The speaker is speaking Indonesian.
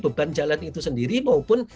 beban jalan itu sendiri maupun